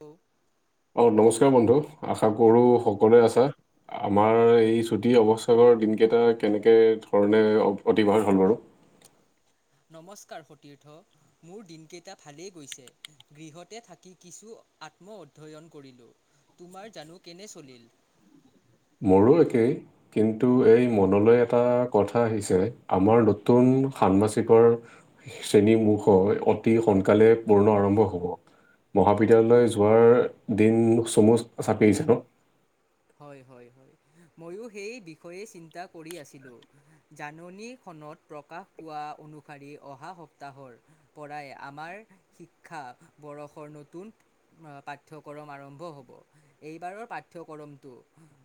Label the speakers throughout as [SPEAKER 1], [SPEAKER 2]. [SPEAKER 1] অ
[SPEAKER 2] অ নমস্কাৰ বন্ধু আশা কৰো সকলোৱে আছা আমাৰ এই ছুটি অৱস্থাকৰ দিনকেইটা কেনেকে ধৰণে অতিবাহাৰ হ'ল বাৰু
[SPEAKER 1] [unintelligible] নমস্কাৰ সতীৰ্থ মোৰ দিনকেইটা ভালেই গৈছে গৃহতে থাকি কিছু আত্ম অধ্যয়ন কৰিলোঁ তোমাৰ জানো কেনে চলিল
[SPEAKER 2] [unintelligible] [unintelligible] শ্ৰেণী মুখ অতি সোনকালে পূৰ্ণ আৰম্ভ হব মহাবিদ্যালয়লৈ যোৱাৰ দিন চমু চাপি আহিছে ন
[SPEAKER 1] ময়ো সেই বিষয়ে চিন্তা কৰি আছিলো জাননী ত প্ৰকাশ পোৱা অনুসৰি অহা সপ্তাহৰ পৰাই আমাৰ শিক্ষা বয়সৰ নতুন আহ পাঠ্যক্ৰম আৰম্ভ হব এইবাৰৰ পাঠ্য়ক্ৰম তো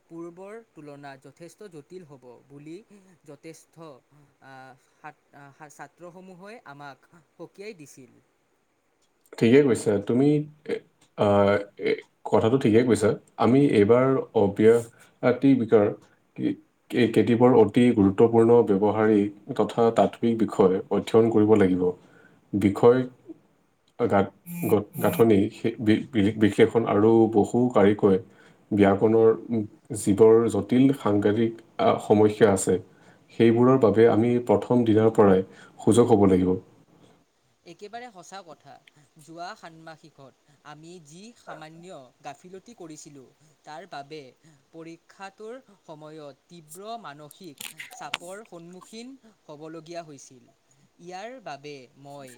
[SPEAKER 1] পূৰ্বৰ তুলনাত যথেষ্ট জটিল হব বুলি যথেষ্ট আহ ত ছাত্ৰসমূহে আমাক সকীয়াই দিছিল
[SPEAKER 2] ঠিকে কৈছা তুমি এ অ কথাটো ঠিকে কৈছা আমি এইবাৰ অব্যাসতি বিকাৰ এই কেতিয়াবাৰ অতি গুৰুত্বপূৰ্ণ ব্যৱহাৰিক তথা তাত্বিক বিষয় অধ্যয়ন লাগিব বিষয় গাঁ গ গাঁথনিই সেই বিশ্লেষণ আৰু বহু কাৰিকৈ ব্যয়াকৰণৰ জীৱৰ জটিল সাংঘতিক আহ সমস্যা আছে সেইবোৰৰ বাবে আমি প্ৰথম দিনাৰ পৰাই সজাগ হ'ব লাগিব
[SPEAKER 1] একেবাৰে সঁচা কথা যোৱা সান্মাসিকত আমি যি সামান্য গা ফিলতি কৰিছিলো তাৰ বাবে পৰীক্ষাটোৰ সময়ত তীব্ৰ মানসিক চাপৰ সন্মুখীন হ'বলগীয়া হৈছিল ইয়াৰ বাবে মই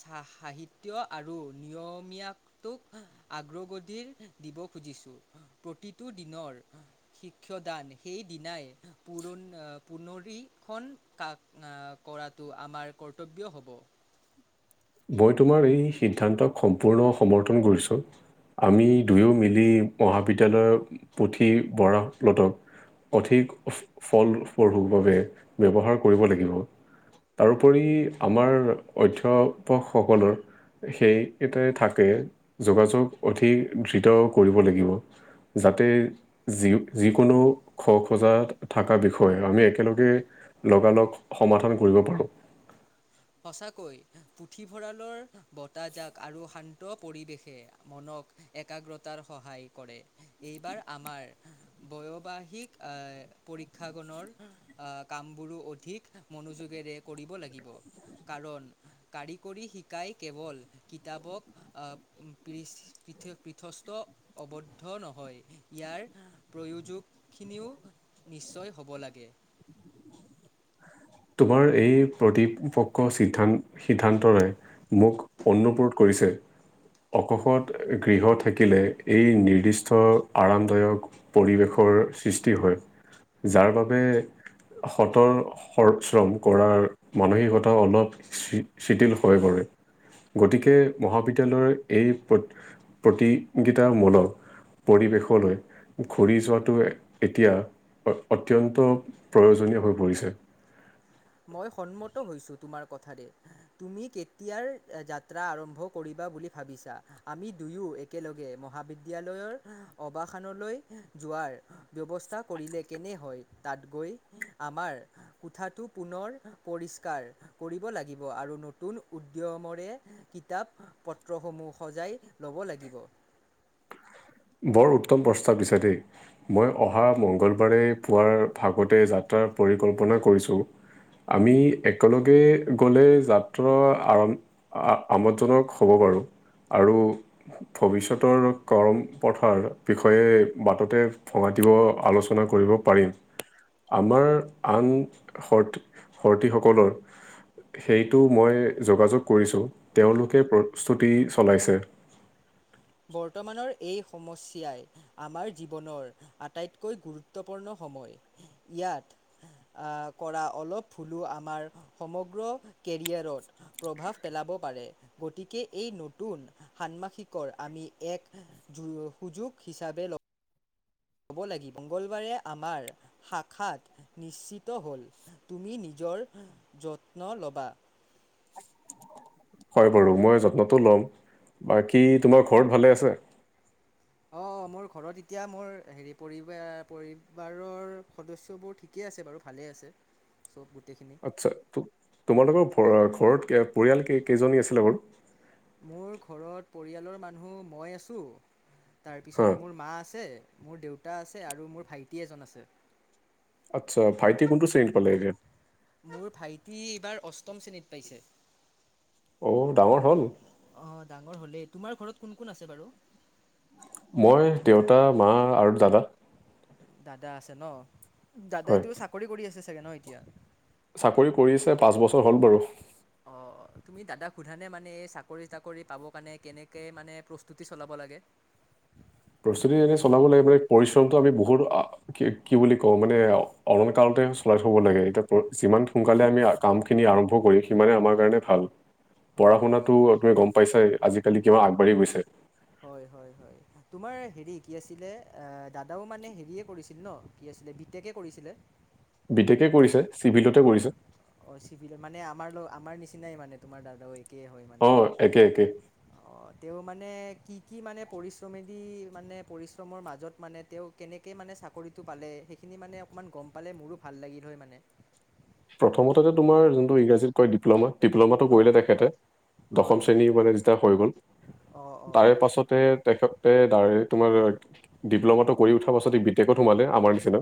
[SPEAKER 1] সাহিত্য আৰু নিয়মীয়াটোক আগ্ৰগতিৰ দিব খুজিছো প্ৰতিটো দিনৰ শিক্ষদান সেই দিনাই প পুনৰীক্ষণ কা কৰাটো আমাৰ কৰ্তব্য হ'ব
[SPEAKER 2] মই তোমাৰ এই সিদ্ধান্তক সম্পূৰ্ণ সমৰ্থন কৰিছোঁ। আমি দুয়ো মিলি মহাবিদ্যালয়ৰ পুথি, বৰাম লত অধিক ফল পাব বাবে ব্যৱহাৰ কৰিব লাগিব। তাৰোপৰি আমাৰ অধ্যাপকসকলৰ সেইকেটাই থাকে যোগাযোগ অধিক ধৃত কৰিব লাগিব। যাতে যি যিকোনো খ, খোজা থকা বিষয়ে আমি একেলগে লগালগ সমাধান কৰিব পাৰোঁ।
[SPEAKER 1] উ সঁচাকৈ পুথিভঁৰালৰ বতাহজাক, আৰু শান্ত পৰিৱেশে মন একাগ্ৰতাৰ সহায় কৰে, এইবাৰ আমাৰ বয়বাহিক আহ পৰীক্ষা গণৰ আহ কাম বোৰো অধিক মনোযোগেৰে কৰিব লাগিব। কাৰণ কাৰিকৰী শিকাই কেৱল কিতাপক আহ পৃথ পৃথস্থ আবদ্ধ নহয় ইয়াৰ প্ৰয়োজক খিনিও নিশ্চয় হ'ব লাগে।
[SPEAKER 2] তোমাৰ এই প্ৰতিপক্ সিদ্ধান্তৰে মোক অনুপ্ৰট কৰি পিছে অকশত গৃহ থাকিলে এই নিৰ্দিষ্ট আৰামদায়ক পৰিৱেশৰ সৃষ্টি হয়। যাৰ বাবে সত সৰ্পশ্ৰম কৰাৰ মানসিকতা অলপ শিথিল হৈ পৰে। গতিকে মহাবিদ্যালয়ৰ এই প্ৰতিগিতামূলক পৰিৱেশলৈ ঘূৰি যোৱাটো এতিয়া অত্যন্ত প্ৰয়োজনীয় হৈ পৰিছে।
[SPEAKER 1] মই সন্মত হৈছো তোমাৰ কথাতে, তুমি কেতিয়া যাত্ৰা আৰম্ভ কৰিবা। বুলি ভাবিছা, আমি দুয়ো একেলগে মহাবিদ্যালয়ৰ অৱাসনলৈ য যোৱাৰ ব্যৱস্থা কৰিলে কেনে হয়? তাত গৈ আমাৰ কোঠাটো পুনৰ পৰিষ্কাৰ কৰিব লাগিব। আৰু নতুন উদ্যমৰে কিতাপ পত্ৰসমূহ সজাই ল'ব লাগিব।
[SPEAKER 2] বৰ উত্তম প্ৰস্তাৱ দিছে দেই, মই অহা মঙগলবাৰে পুৱা ভাগতে যাত্ৰা পৰিকল্পনা কৰিছো! আমি একেলগে গ'লে যাত্ৰা আৰম আ আমোদজনক হ'ব। আৰু ভবিষ্যতৰ ক্ৰম প্ৰথাৰ বিষয়ে বাটতে ভঙা দিব, আলোচনা কৰিব পাৰিম। আমাৰ আন শৰ্ত শৰ্তীসকলৰ সেইটো মই যোগাযোগ কৰিছো, তেওঁলোকে প্ৰস্তুতি চলাইছে।
[SPEAKER 1] উম' বৰ্তমানৰ এই সমস্যাই আমাৰ জীৱনৰ আটাইতকৈ গুৰুত্বপূৰ্ণ হ ইয়াত আহ কৰা অলপ ভুলো আমাৰ সমগ্ৰ কেৰিয়াৰত প্ৰভাৱ পেলাব পাৰে, গতিকে এই নতুন ষান্মাসিকৰ আমি এক যো সুযোগ হিচাপে ল লাগিব, মঙ্গলবাৰে আমাৰ শাখাত নিশ্চিত হ'ল, তুমি নিজৰ যত্ন ল'বা।
[SPEAKER 2] হয় বাৰু মই যত্নটো ল'ম, বাকী তোমাৰ ঘৰত ভালে আছে?
[SPEAKER 1] অ অ মোৰ ঘৰত এতিয়া মোৰ হেৰি পৰিব পৰিবাৰৰ সদস্য বোৰ ঠিকেই আছে বাৰু ভালে আছে চব গোটেইখিনি
[SPEAKER 2] আচ্ছা, তো তোমালোকৰ ঘৰ ঘৰত পৰিয়াল কেই কেইজনী আছিলে?
[SPEAKER 1] মোৰ ঘৰত পৰিয়ালৰ মানুহ মই আছো,
[SPEAKER 2] হা
[SPEAKER 1] তাৰপিছত মোৰ মা আছে, মোৰ দেউতা আছে, আৰু মোৰ ভাইটি এজন আছে
[SPEAKER 2] আচ্ছা ভাইটি কোনটো শ্ৰেণীত পালেগে?
[SPEAKER 1] মোৰ ভাইটি এইবাৰ অষ্টম শ্ৰেণীত পাইছে।
[SPEAKER 2] অ ডাঙৰ হ'ল।
[SPEAKER 1] অ', ডাঙৰ হ'লেই তোমাৰ ঘৰত কোন কোন আছে বাৰু?
[SPEAKER 2] মই দেউতা, মা আৰু দাদা।
[SPEAKER 1] দাদা আছে ন?
[SPEAKER 2] হয়
[SPEAKER 1] দাদাইটো চাকৰি কৰি আছে চাগে ন এতিয়া?
[SPEAKER 2] চাকৰি কৰিছে পাঁচ বছৰ হ'ল বাৰু।
[SPEAKER 1] অ'। অ, তুমি দাদাক সোধা নে মানে এই চাকৰি তাকৰি পাব কাৰণে কেনেকে মানে প্ৰস্তুতি চলাব লাগে? উ।
[SPEAKER 2] প্ৰস্তুতি যেনে চলাব লাগে মানে পৰিশ্ৰমটো আমি বহুত কি বুলি কওঁ মানে অলংকাৰ চলাই থব লাগে। এতিয়া যিমান সোনকালে আমি কাম খিনি আৰম্ভ কৰি সিমানে আমাৰ কাৰণে ভাল।
[SPEAKER 1] হয় হয়
[SPEAKER 2] পঢ়া-শুনাতো
[SPEAKER 1] হয়
[SPEAKER 2] তুমি গম পাইছাই আজিকালি কিমান আগবাঢ়ি গৈছে।
[SPEAKER 1] হয়, হয়, হয় তোমাৰ হেৰি কি আছিলে দাদাও মানে হেৰিয়ে কৰিছিল? ছিল ন, কি আছিলে বি টেক এ কৰিছিলে?
[SPEAKER 2] বি টেক এ কৰিছে। চিভিলতে
[SPEAKER 1] হয়,
[SPEAKER 2] কৰিছে
[SPEAKER 1] অ, চিভিল মানে আমাৰ আমাৰ নিচিনাই মানে তোমাৰ দাদাও। একে হয় মানে
[SPEAKER 2] অ' একে একে
[SPEAKER 1] অ তেও মানে তে কি কি মানে পৰিশ্ৰমেদি মানে পৰিশ্ৰমৰ মাজত মানে তেওঁ কেনেকে মানে চাকৰিটো পালে সেইখিনি মানে অকমান গম পালে মোৰো ভাল লাগিল হয় মানে।
[SPEAKER 2] প্ৰথমতেটো, তোমাৰ যোনটো ইংৰাজীত কয় ডিপ্ল'মা। ডিপ্ল'মাটো
[SPEAKER 1] হয়
[SPEAKER 2] কৰিলে
[SPEAKER 1] হয়
[SPEAKER 2] তেখেতে
[SPEAKER 1] হয়
[SPEAKER 2] দশম
[SPEAKER 1] হয় হয়
[SPEAKER 2] শ্ৰেণীৰ মানে যেতিয়া হৈ গ'ল।
[SPEAKER 1] অঁ অঁ
[SPEAKER 2] তাৰে
[SPEAKER 1] অঁ
[SPEAKER 2] পাছতে তেখেতে ডাইৰেক্ট ডিপ্ল'মাটো কৰি উঠাৰ পাছত বি টেকত সোমালে আমাৰ নিচিনা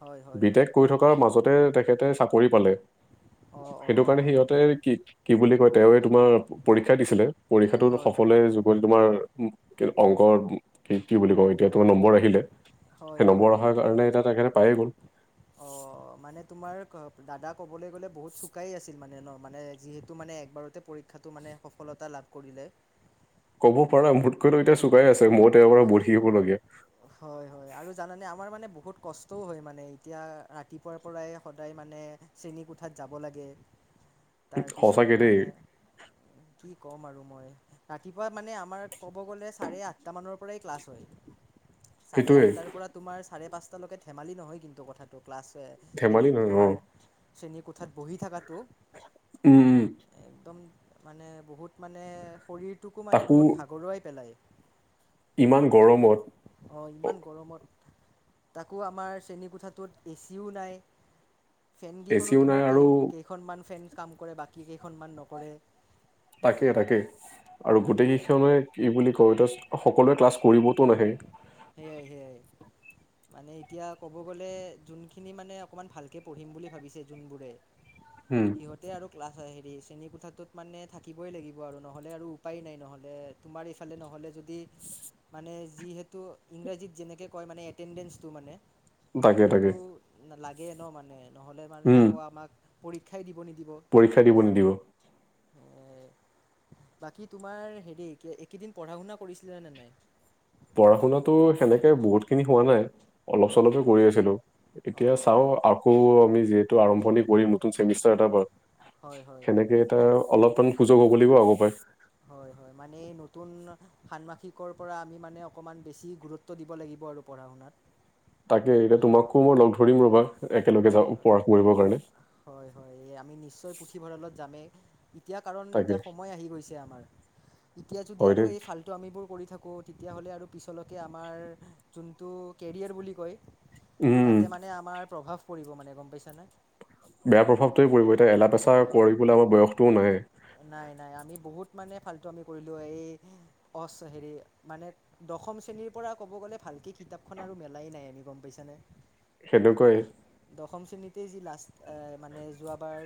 [SPEAKER 1] হয় হয় হয়
[SPEAKER 2] বি
[SPEAKER 1] হয়
[SPEAKER 2] টেক কৰি থকাৰ মাজতে তেখেতে চাকৰি পালে।
[SPEAKER 1] অঁ অঁ
[SPEAKER 2] সেইটো কাৰণে
[SPEAKER 1] অঁ
[SPEAKER 2] সিহঁতে কি কি বুলি কয় তেৱে তোমাৰ পৰীক্ষা দিছিলে। পৰীক্ষাটো
[SPEAKER 1] হয় হয়
[SPEAKER 2] সফলে যুগল তোমাৰ কি অংকৰ কি কি বুলি কওঁ এতিয়া তোমাৰ নম্বৰ আহিলে।
[SPEAKER 1] হয়
[SPEAKER 2] সেই নম্বৰ অহাৰ কাৰণে এতিয়া তেখেতে পায়ে গ'ল।
[SPEAKER 1] অ', মানে তোমাৰ দাদা ক'বলৈ গ'লে বহুত চোকাই আছিল মানে ন? মানে যিহেতু মানে একবাৰতে পৰক্ষাটো মানে সফলতা লাভ কৰিলে।
[SPEAKER 2] ক'ব পাৰা মোতকৈতো এতিয়া চোকাই আছে মইত এাৰ পৰা বহিবলগীয়া।
[SPEAKER 1] হয় হয় আৰু জানানে আমাৰ মানে বহুত কষ্টও হয় মানে। এতিয়া ৰাতিপুৱাৰ পৰাই সদায় মানে শ্ৰেণীকোঠাত যাব লাগে। তাৰপিছত
[SPEAKER 2] সঁচাকে দেই
[SPEAKER 1] মানে কি কম আৰু মই ৰাতিপুৱা মানে আমাৰ ক'ব গ'লে চাৰে আঠানৰ পৰাই ক্লাছ হয়। চাৰে আঠ
[SPEAKER 2] সেইটোৱে
[SPEAKER 1] তাৰ পৰা আপালোকে ধেমালি নহয় কিন্তু কথাটো ক্লাছ হেৰি
[SPEAKER 2] ধেমালি নহয় অ
[SPEAKER 1] তোমাৰ শ্ৰেণীৰ কোঠাত বহি থকাটো।
[SPEAKER 2] উম, উম।
[SPEAKER 1] একদম মানে বহুত মানে শৰীৰটোকো মানে
[SPEAKER 2] তাকো
[SPEAKER 1] বহুত ভাগৰুৱাই পেলায়।
[SPEAKER 2] ইমান গৰমত?
[SPEAKER 1] অ' ইমান গৰমত। তাকো আমাৰ শ্ৰেণীকোঠাটোত এ চিও নাই। ফেন কেইখনো
[SPEAKER 2] এচিও নাই
[SPEAKER 1] তোমাৰ
[SPEAKER 2] আৰু
[SPEAKER 1] কেই কেইখনমান ফেন কাম কৰে। বাকী কেইখনমান নকৰে।
[SPEAKER 2] তাকেই তাকে আৰু গোটেই কেইখনে কি বুলি কয় সকলোৱে ক্লাছ কৰিবতো নাহে।
[SPEAKER 1] সেইয়াই সেয়াই। মানে এতিয়া ক'ব গ'লে যোনখিনি মানে অকমান ভালকে পঢ়িম বুলি ভাবিছে যোনবোৰে
[SPEAKER 2] উম
[SPEAKER 1] সিহঁতে আৰু ক্লাছ হেৰি শ্ৰেণী কোঠাটোত মানে থাকিবই লাগিব আৰু নহ'লে আৰু উপায়েই নাই নহ'লে তোমাৰ এইফালে নহয়। হ'লে যদি মানে যিহেতু ইংৰাজীত যেনেকে কৈ মানে এটেটো মানে
[SPEAKER 2] তাকে তাকে
[SPEAKER 1] সেইটো মানে নহ'লে মানে
[SPEAKER 2] উম
[SPEAKER 1] আকৌ আমাক পৰীক্ষাই দিব নিদিয়ে।
[SPEAKER 2] পৰীক্ষা দিব নিদিব।
[SPEAKER 1] বাকী তোমাৰ হেৰি এইকেইদিন পঢ়া-শুনা কৰিছিলে নে নাই?
[SPEAKER 2] পঢ়া শুনাতো সেনেকে বহুত খিনি হোৱা নাই। অলপ
[SPEAKER 1] হয়
[SPEAKER 2] চলপে
[SPEAKER 1] হয়
[SPEAKER 2] কৰি আছিলো এতিয়া
[SPEAKER 1] অঁ
[SPEAKER 2] চাও
[SPEAKER 1] অঁ
[SPEAKER 2] আকৌ আমি যিহেতু আৰম্ভণি কৰিম নতুন চেমিষ্ট- এতাৰ
[SPEAKER 1] হয় হয়
[SPEAKER 2] সেনেকে এটা অলপমান সুযোগ হ'ব বুলি পাব পাৰে।
[SPEAKER 1] হয়। হয় মানে এই নতুন ষান্মাসিকৰ পৰা আমি মানে অকণমান বেছি গুৰুত্ব দিব লাগিব আৰু পঢ়া আনাত
[SPEAKER 2] তাকে এতিয়া তোমাকো মই লগ ধৰিম ৰবা। একেলগে
[SPEAKER 1] হয়
[SPEAKER 2] যাওঁ
[SPEAKER 1] হয়
[SPEAKER 2] পঢ়া কৰিবৰ কাৰণে
[SPEAKER 1] হয় হয়। এই আমি নিশ্চয় পুথিভঁৰালত যামেই। এতিয়া কাৰণ
[SPEAKER 2] তাকে
[SPEAKER 1] এতিয়া সময় আহি গৈছে। আমাৰ এতিয়া যদি
[SPEAKER 2] হয়
[SPEAKER 1] আৰু
[SPEAKER 2] দেই
[SPEAKER 1] এই ফালটো আমিবোৰ কৰি থাকোঁ। তেতিয়াহ'লে আৰু পিছলৈকে আমাৰ যোনটো কেৰিয়াৰ বুলি কয়
[SPEAKER 2] উম
[SPEAKER 1] তাতে মানে আমাৰ প্ৰভাৱ পৰিব মানে গম পাইছা নে?
[SPEAKER 2] বেয়া প্ৰভাৱটোয়ে পৰিব। এতিয়া এলাহ পেচা কৰিবলৈ আমাৰ বয়সটোও নাহে।
[SPEAKER 1] নাই নাই। আমি বহুত মানে ফাল্্তু আমি কৰিলো এই অ' হেৰি মানে দশম শ্ৰেণীৰ পৰা ক'ব গ'লে ভালকৈ কিতাপখন আৰু মেলাই নাই আমি গম পাইছানে
[SPEAKER 2] সেইটোকৈ
[SPEAKER 1] গোটেই যি লাষ্ট মানে যোৱাবাৰ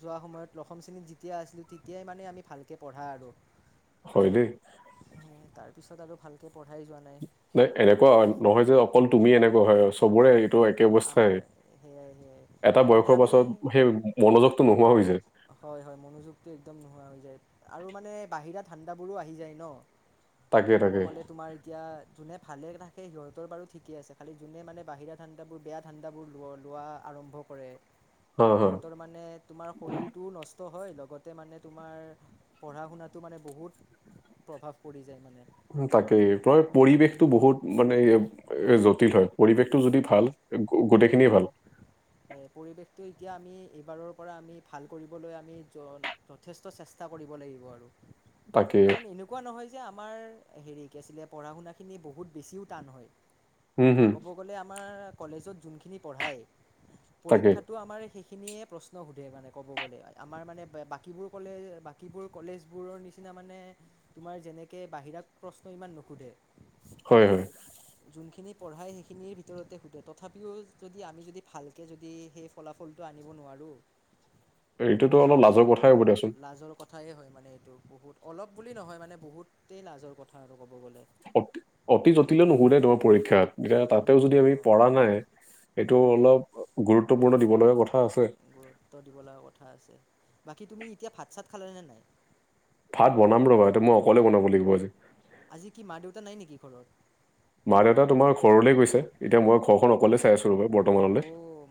[SPEAKER 1] যোৱা সময়ত দশম শ্ৰেণীত যি তেতিয়া আছিলোঁ তেতিয়াই মানে আমি ভালকৈ পঢ়া আৰু
[SPEAKER 2] হয় দেই।
[SPEAKER 1] তাৰপিছত আৰু ভালকৈ পঢ়াই যোৱা
[SPEAKER 2] নাই এনেকুৱা নহয় যে অকল তুমি এনেকুৱা হয় চবৰে টো একে অৱস্থাই
[SPEAKER 1] আমাৰ সেয়াই সেয়াই
[SPEAKER 2] এটা
[SPEAKER 1] মানে
[SPEAKER 2] বয়সৰ
[SPEAKER 1] আমি
[SPEAKER 2] পাছত সেই মনোযোগটো নোহোৱা হৈ যায়।
[SPEAKER 1] হয় হয় মনোযোগটো একদম নোহোৱা হৈ যায়। আৰু মানে বাহিৰা ঠাণ্ডাবোৰো আহি যায় ন।
[SPEAKER 2] তাকে
[SPEAKER 1] ক'ব
[SPEAKER 2] তাকে
[SPEAKER 1] গ'লে তোমাৰ এতিয়া যো ভালে থাকে। সিহঁতৰ বাৰু ঠিক আছে। খালি যোনে মানে বাহিৰত ঠাণ্ডাবোৰ বেয়া ঠাণ্ডাবোৰ ল লোৱা আৰম্ভ কৰে।
[SPEAKER 2] হা হা
[SPEAKER 1] সিহঁতৰ মানে তোমাৰ শৰীৰটোও নষ্ট হয় লগতে মানে তোমাৰ পঢ়া শুনাতো মানে বহুত প্ৰভাৱ পৰিছ-
[SPEAKER 2] তাকেই প্ৰ পৰিৱেশতটো বহুত মানে এ জটিল হয়। পৰিৱেশটো যদি
[SPEAKER 1] জটিল
[SPEAKER 2] ভাল গো-
[SPEAKER 1] হে
[SPEAKER 2] গোটেইখিনিয়ে
[SPEAKER 1] হে
[SPEAKER 2] ভাল
[SPEAKER 1] পৰিৱেশটো তেতিয়া আমি এইবাৰৰ পৰা আমি ভাল কৰিবলৈ আমি যথেষ্ট চেষ্টা কৰিব লাগিব আৰু।
[SPEAKER 2] তাকে
[SPEAKER 1] কাৰণ এনেকুৱা নহয় যে আমাৰ হেৰি কি আছিলে পঢ়া শুনাখিনি বহুত বেছিও টান হয়।
[SPEAKER 2] হম হম
[SPEAKER 1] ক'ব গ'লে আমাৰ কলেজত যোনখিনি পঢ়ায়
[SPEAKER 2] তাকে
[SPEAKER 1] পৰীক্ষাতো আমাৰ সেইখি- খিনিয়ে প্ৰশ্ন সোধে মানে ক'ব গ'লে আমাৰ মানে বাকীবোৰ কলেজ বাকীবোৰ কলেজবোৰৰ নিচিনা মানে তোমাৰ যেনেকে বাহিৰাক প্ৰশ্ন ইমান নোশুধে।
[SPEAKER 2] হয় হয়।
[SPEAKER 1] যোনখিনি পঢ়াই শেষ খিনিৰ ভিতৰতে শুধে তথাপিও যদি আমি যদি ভালকে যদি সেই ফলাফলটো আনিব নোৱাৰো।
[SPEAKER 2] এইটোতো
[SPEAKER 1] তে
[SPEAKER 2] অলপ
[SPEAKER 1] মানে
[SPEAKER 2] লাজৰ
[SPEAKER 1] আমাৰ
[SPEAKER 2] কথাই হ'ব দিয়াচোন
[SPEAKER 1] লাজৰ কথাই হয় মানে। এইটো বহুত অলপ বুলি নহয় মানে বহুতেই লাজৰ কথা আৰু ক'ব গ'লে।
[SPEAKER 2] অ অতি জটিল নুশুধে ধৰ তোমাৰ পৰীক্ষাত এতিয়া তাতেও যদি
[SPEAKER 1] নুসোধে
[SPEAKER 2] আমি
[SPEAKER 1] অঁ
[SPEAKER 2] পঢ়া নাই এইটো
[SPEAKER 1] সেয়াই
[SPEAKER 2] অলপ গুৰুত্বপূৰ্ণ দিব লগা কথা আছে।
[SPEAKER 1] শুনিবলগীয়া কথা আছে। বাকী তুমি এতিয়া ভাত চাত খালে নে নাই?
[SPEAKER 2] ভাত বনাম ৰ'বা এটো মই অকলে বনাব লাগিব আজি।
[SPEAKER 1] আজি কি মা দেউতা নাই নেকি ঘৰত?
[SPEAKER 2] মা দেউতা তোমাৰ ঘৰলৈ গৈছে এতিয়া মই ঘৰখন অকলে চাই আছোঁ।
[SPEAKER 1] অ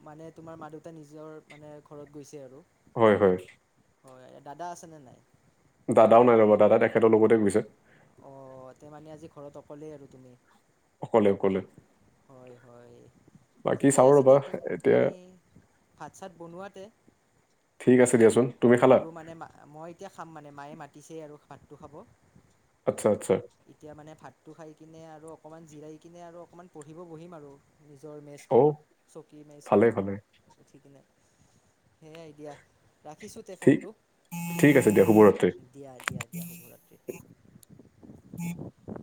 [SPEAKER 1] মানে তোমাৰ মা দেউতা নিজৰ মানে ঘৰত গৈছে আৰু।
[SPEAKER 2] হয় হয়
[SPEAKER 1] হয় দাদা আছে নে নাই?
[SPEAKER 2] দাদাও নাই ৰবা দাদা তেখেতৰ লগতে গৈছে।
[SPEAKER 1] অ তে মানে আজি ঘৰত অকলেই আৰু তুমি।
[SPEAKER 2] অকলে অকলে
[SPEAKER 1] হয় হয়।
[SPEAKER 2] বাকী
[SPEAKER 1] ঠিকেই
[SPEAKER 2] চাওঁ
[SPEAKER 1] আছিল
[SPEAKER 2] ৰ'বা
[SPEAKER 1] দে তো
[SPEAKER 2] এতিয়া
[SPEAKER 1] এই ভাত চাত বনোৱাতে
[SPEAKER 2] ঠিক আছে দিয়াচোন তুমি খালা
[SPEAKER 1] মোৰো মানে মই এতিয়া খাম মানে মায়ে মাতিছেই আৰু ভাতটো খাব।
[SPEAKER 2] আচ্ছা আচ্ছা
[SPEAKER 1] এতিয়া মানে ভাতটো খাই কিনে আৰু অকণমান জিৰাই কিনে আৰু অকণমান পঢ়িব বহিম আৰু। নিজৰ
[SPEAKER 2] অ
[SPEAKER 1] মেজখনত চকী
[SPEAKER 2] ভালে
[SPEAKER 1] মেজখনত
[SPEAKER 2] ভালে
[SPEAKER 1] উঠি কিনে। সেইয়াই দিয়া। ৰাখিছোঁ তে
[SPEAKER 2] ঠিক
[SPEAKER 1] ফোনটো
[SPEAKER 2] ঠিক আছে দিয়া শুভৰাত্ৰি
[SPEAKER 1] দিয়া দিয়া দিয়া শুভৰাত্ৰি।